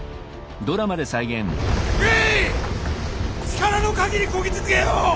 力の限りこぎ続けよ！